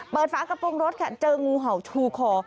ฝากระโปรงรถค่ะเจองูเห่าชูคอ